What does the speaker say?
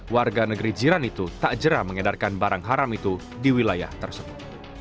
warga negeri jiran itu tak jerah mengedarkan barang haram itu di wilayah tersebut